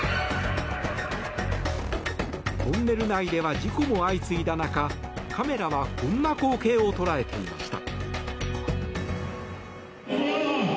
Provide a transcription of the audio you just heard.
トンネル内では事故も相次いだ中カメラはこんな光景を捉えていました。